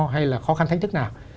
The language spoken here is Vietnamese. hay là khó khăn thách thức nào